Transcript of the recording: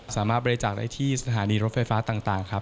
สามารถบริจาคได้ที่สถานีรถไฟฟ้าต่างครับ